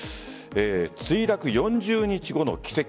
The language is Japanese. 墜落４０日後の奇跡。